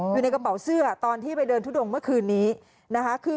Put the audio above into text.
อยู่ในกระเป๋าเสื้อตอนที่ไปเดินทุดงเมื่อคืนนี้นะคะคือ